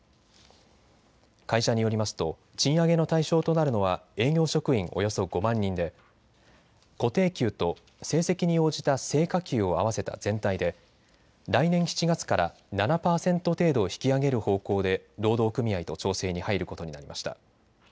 会社によりますと賃上げの対象となるのは営業職員およそ５万人で固定給と成績に応じた成果給を合わせた全体で来年７月から７％程度引き上げる方向で労働組合と調整に入ることになりました。